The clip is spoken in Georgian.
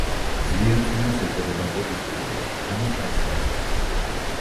ძლიერ წვიმას ეწოდება კოკისპირული ანუ თავსხმა წვიმა.